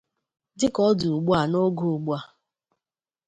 dịka ọ dị ugbu n'oge ugbu a.